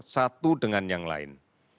satu dengan yang lain